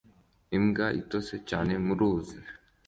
Imbwa itose cyane muruzi